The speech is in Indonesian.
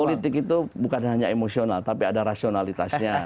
politik itu bukan hanya emosional tapi ada rasionalitasnya